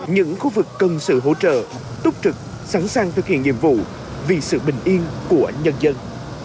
những khu vực cần sự hỗ trợ túc trực sẵn sàng thực hiện nhiệm vụ vì sự bình yên của nhân dân